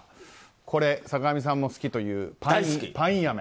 これ、坂上さんも好きというパインアメ。